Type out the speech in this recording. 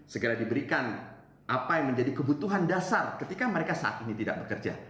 segera diberikan apa yang menjadi kebutuhan dasar ketika mereka saat ini tidak bekerja